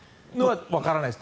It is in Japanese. わからないです。